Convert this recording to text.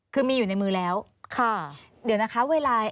คือมีอยู่ในมือแล้วค่ะเดี๋ยวนะคะเวลา